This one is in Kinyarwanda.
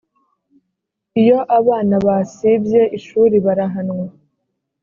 iyo abana basibye ishuri barahanwa